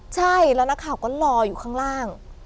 ใช่แล้วนักข่าวก็รออยู่ข้างล่าง